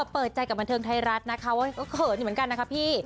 เปิดใจกับบันเทิงไทยรัฐนะคะว่าเขินอยู่เหมือนกันนะคะพี่